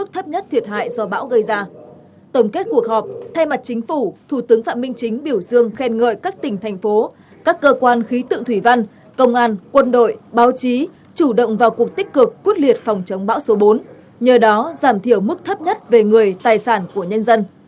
tổng kết cuộc họp thay mặt chính phủ thủ tướng phạm minh chính biểu dương khen ngợi các tỉnh thành phố các cơ quan khí tượng thủy văn công an quân đội báo chí chủ động vào cuộc tích cực quyết liệt phòng chống bão số bốn nhờ đó giảm thiểu mức thấp nhất về người tài sản của nhân dân